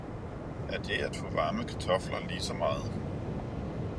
Er det at få varme kartofler lige så meget!